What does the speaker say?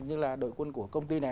như là đội quân của công ty này